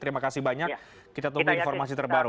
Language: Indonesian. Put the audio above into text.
terima kasih banyak kita tunggu informasi terbaru